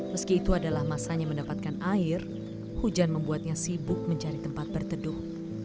meski itu adalah masanya mendapatkan air hujan membuatnya sibuk mencari tempat berteduh